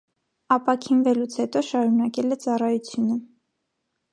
Ապաքինվելուց հետո շարունակել է ծառայությունը։